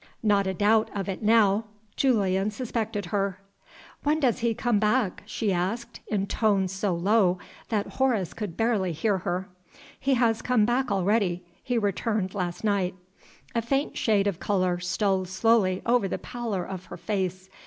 Not a doubt of it now! Julian suspected her. "When does he come back?" she asked, in tones so low that Horace could barely hear her. "He has come back already. He returned last night." A faint shade of color stole slowly over the pallor of her face.